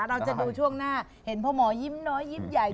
เราจะดูช่วงหน้าเห็นพ่อหมอยิ้มน้อยยิ้มใหญ่